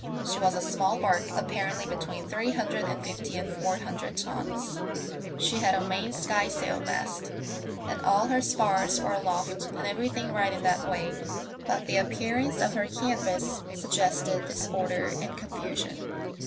She was a small barque, apparently between three hundred and fifty and four hundred tons ; she had a main skysail mast, and all her spars were aloft and everthing right in that way ; but the appear ance of her canvas suggested disorder and confusion.